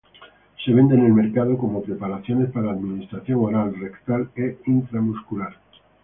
Se vende en el mercado como preparaciones para administración oral, rectal e intramuscular.